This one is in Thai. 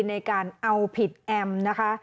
ในการเอาผิดแอมณ์นะครับ